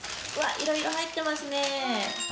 いろいろ入ってますね。